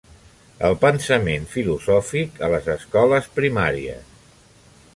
El pensament filosòfic a les escoles primàries.